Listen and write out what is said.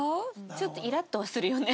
ちょっとイラッとはするよね。